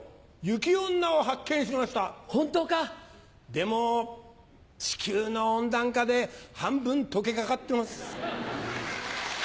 でも地球の温暖化で半分解けかかってます。